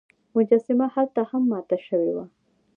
مجسمه هلته هم ماته شوې وه.